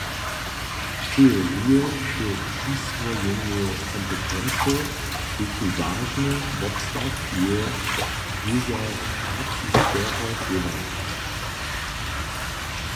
Teorije k přiswojenju kompetencow běchu wažny wobstatk jeje disertaciskeho dźěła.